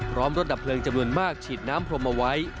รถดับเพลิงจำนวนมากฉีดน้ำพรมเอาไว้